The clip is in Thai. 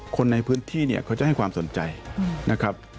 คนในพื้นที่เนี่ยเขาจะให้ความสนใจนะครับ